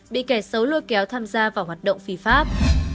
bị kẻ xấu lôi kéo tham gia vào hoạt động phi pháp